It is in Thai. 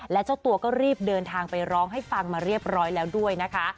และเจ้าตัวก็รีบเดินทางไปร้องให้ฟังมาเรียบร้อยแล้วด้วยนะคะ